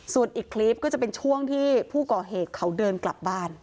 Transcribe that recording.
ส่วนอีกคลิปก็จะเป็นช่วงที่ผู้ก่อเหตุเขาเดินกลับบ้าน